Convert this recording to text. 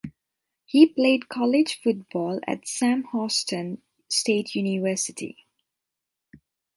He played college football at Sam Houston State University.